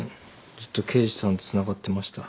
ずっと刑事さんとつながってました。